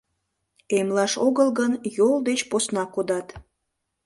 — Эмлаш огыл гын, йол деч посна кодат...